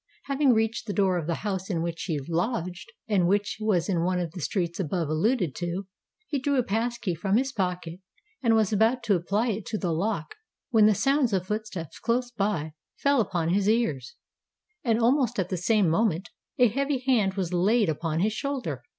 Having reached the door of the house in which he lodged, and which was in one of the streets above alluded to, he drew a pass key from his pocket, and was about to apply it to the lock, when the sounds of footsteps close by fell upon his ears, and almost at the same moment a heavy hand was laid upon his shoulder.